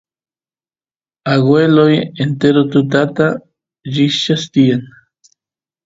agueloy entero tutata llikchas tiyan